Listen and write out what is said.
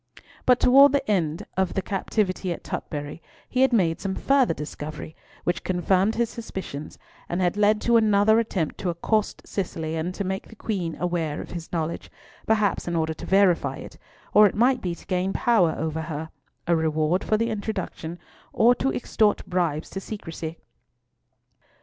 But towards the end of the captivity at Tutbury, he had made some further discovery, which confirmed his suspicions, and had led to another attempt to accost Cicely, and to make the Queen aware of his knowledge, perhaps in order to verify it, or it might be to gain power over her, a reward for the introduction, or to extort bribes to secrecy.